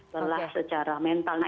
kelah secara mental